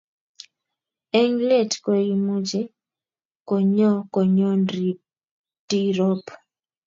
Eng' let ko kiimuch konyo konyon Tirop.